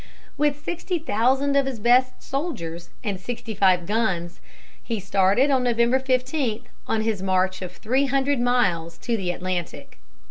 With sixty thousand of his best soldiers, and sixty five guns, he started on November 15 on his march of three hundred miles to the Atlantic.